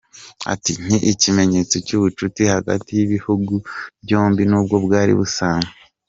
Ati “Ni ikimenyetso cy’ubucuti hagati y’ibihugu byombi n’ubwo bwari busanzwe.